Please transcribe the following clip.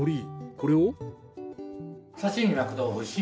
これを。